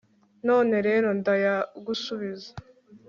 none rero ndayagusubiza